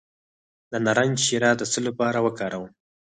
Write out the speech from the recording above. د نارنج شیره د څه لپاره وکاروم؟